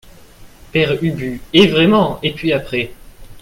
Père Ubu Eh vraiment ! et puis après ?